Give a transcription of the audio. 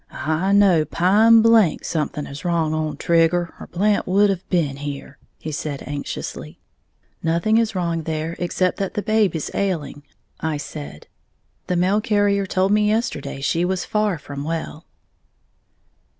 "I know pine blank something is wrong on Trigger, or Blant would have been here," he said, anxiously. "Nothing is wrong there, except that the babe is ailing," I said, "the mail carrier told me yesterday she was far from well."